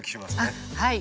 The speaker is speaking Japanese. はい。